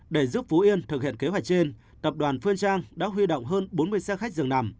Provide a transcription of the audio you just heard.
để giúp phú yên thực hiện kế hoạch trên tập đoàn phương trang đã huy động hơn bốn mươi xe khách dường nằm